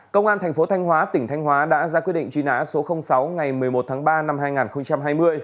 công an thành phố thanh hóa tỉnh thanh hóa đã ra quyết định truy nã số sáu ngày một mươi một tháng ba năm hai nghìn hai mươi